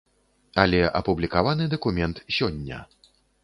Але апублікаваны дакумент сёння.